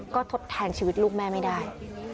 ก็ทดแทนชีวิตลูกแม่ไม่ได้